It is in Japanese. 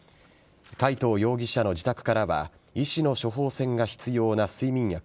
海藤容疑者の自宅からは医師の処方せんが必要な睡眠薬